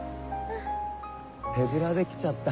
手ぶらで来ちゃった。